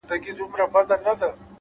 عاجزي د شخصیت تاج دی؛